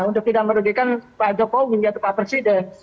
untuk tidak merugikan pak jokowi menjatuh pak presiden